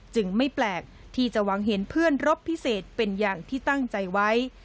ไม่แปลกที่จะหวังเห็นเพื่อนรบพิเศษเป็นอย่างที่ตั้งใจไว้